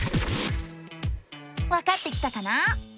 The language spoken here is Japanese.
わかってきたかな？